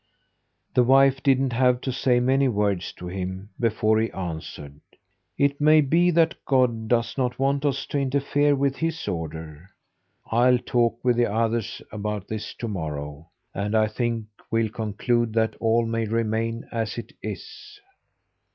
The wife didn't have to say many words to him, before he answered: "It may be that God does not want us to interfere with His order. I'll talk with the others about this to morrow, and I think we'll conclude that all may remain as it is."